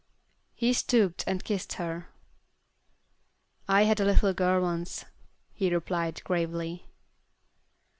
He stooped and kissed her. "I had a little girl once," he replied, gravely.